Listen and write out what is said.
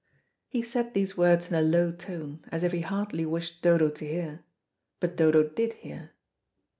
He said these words in a low tone, as if he hardly wished Dodo to hear. But Dodo did hear.